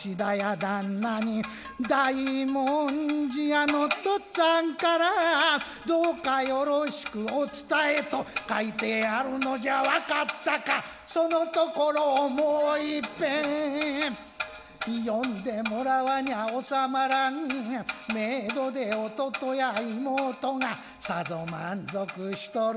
旦那に大文字屋のとっつぁんからどうかよろしくお伝えと書いてあるのじゃわかったかそのところをもう一遍読んでもらわにゃ治まらん冥土で弟や妹がさぞ満足しとる